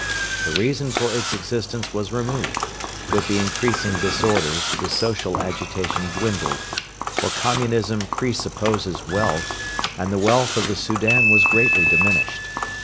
The reason for its existence was removed. With the increasing disorders the social agitation dwindled; for communism pre supposes wealth, and the wealth of the Soudan was greatly diminished.